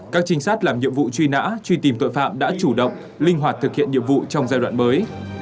các trinh sát làm nhiệm vụ truy nã truy tìm tội phạm đã chủ động linh hoạt thực hiện nhiệm vụ trong giai đoạn mới